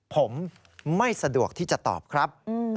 ผมไม่สะดวกที่จะตอบครับ